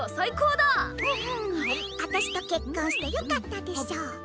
うふあたしとケッコンしてよかったでしょ？